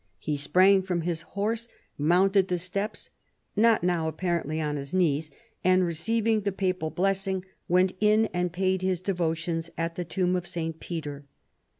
He sprang from his horse, mounted the steps (not now appar ently on his knees), and after receiving the papal blessing went in and paid his devotions at the tomb of St. Peter.